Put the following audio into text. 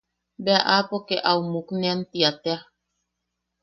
Bea aapo kee au muknean tia tea.